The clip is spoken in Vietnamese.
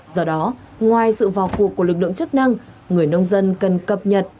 do đó ngoài sự vào cuộc của lực lượng chức năng người nông dân cần cập nhật